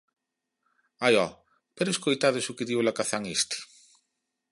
_Ai, ho, ¿pero escoitades o que di o lacazán este?